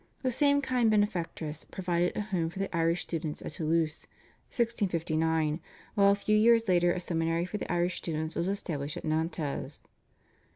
The same kind benefactress provided a home for the Irish students at Toulouse (1659), while a few years later a seminary for Irish students was established at Nantes.